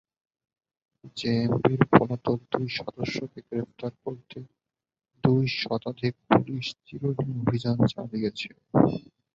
জেএমবির পলাতক দুই সদস্যকে গ্রেপ্তার করতে দুই শতাধিক পুলিশ চিরুনি অভিযান চালিয়েছে।